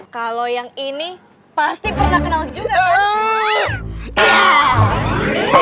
kalau yang ini pasti pernah kenal juga